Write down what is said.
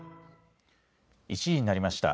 １時になりました。